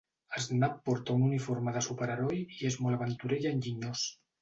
Snap porta un uniforme de superheroi i és molt aventurer i enginyós.